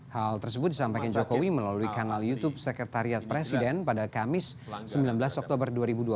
hal tersebut disampaikan jokowi melalui kanal youtube sekretariat presiden pada kamis sembilan belas oktober dua ribu dua puluh